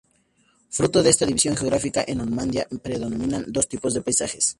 Fruto de esta división geográfica, en Normandía predominan dos tipos de paisajes.